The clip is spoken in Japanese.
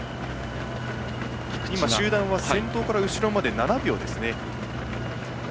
集団は先頭から後ろまで７秒です。